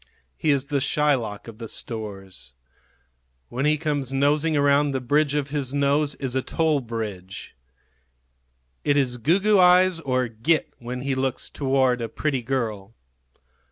He is the Shylock of the stores. When he comes nosing around the bridge of his nose is a toll bridge. It is goo goo eyes or "git" when he looks toward a pretty girl.